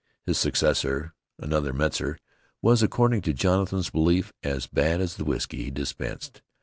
His successor, another Metzar, was, according to Jonathan's belief, as bad as the whiskey he dispensed.